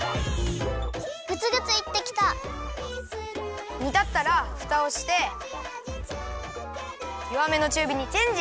グツグツいってきた！にたったらふたをしてよわめのちゅうびにチェンジ。